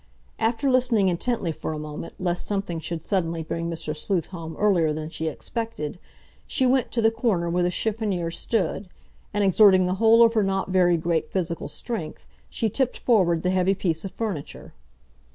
After listening intently for a moment, lest something should suddenly bring Mr. Sleuth home earlier than she expected, she went to the corner where the chiffonnier stood, and, exerting the whole of her not very great physical strength, she tipped forward the heavy piece of furniture.